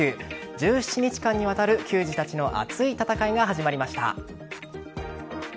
１７日間にわたる球児たちの熱い戦いが始まりました。